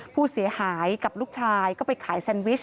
ผู้เสียหายกับลูกชายก็ไปขายแซนวิช